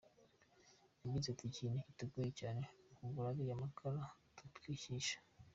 Yagize ati “Ikintu kitugora cyane ni ukugura ariya makara dutwikisha.